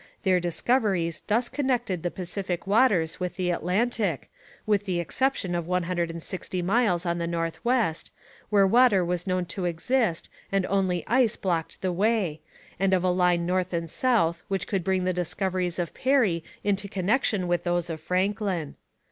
Their discoveries thus connected the Pacific waters with the Atlantic, with the exception of one hundred and sixty miles on the north west, where water was known to exist and only ice blocked the way, and of a line north and south which should bring the discoveries of Parry into connection with those of Franklin.